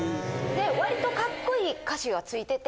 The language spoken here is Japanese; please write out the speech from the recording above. で割とカッコいい歌詞がついてて。